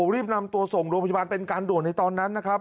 รีบนำตัวส่งโรงพยาบาลเป็นการด่วนในตอนนั้นนะครับ